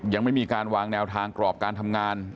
ยังไม่มีการวางแนวทางกรอบการทำงาน